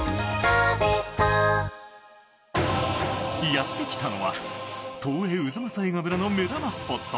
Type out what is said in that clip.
やってきたのは東映太秦映画村の目玉スポット。